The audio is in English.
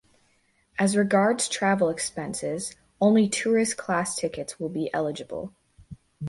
As regards travel expenses, only tourist class tickets will be eligible.